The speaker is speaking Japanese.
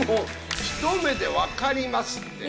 ひと目でわかりますって！